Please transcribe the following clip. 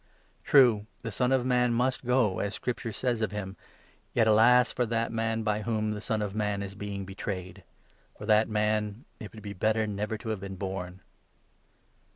True, the Son 21 of Man must go, as Scripture says of him, yet alas for that man by whom the Son of Man is being betrayed ! For that man ' it would be better never to have been born